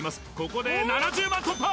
ここで７０万突破！